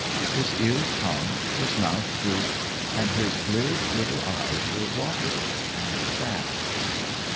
His ears hung, his mouth dropped, and his bleared little eyes were watery and sad.